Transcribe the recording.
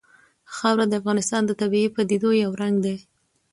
خاوره د افغانستان د طبیعي پدیدو یو رنګ دی.